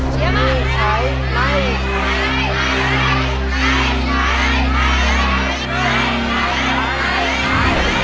ใช้หรือไม่ใช้